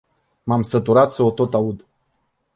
M-am săturat să o tot aud.